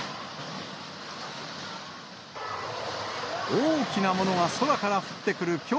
大きなものが空から降ってくる恐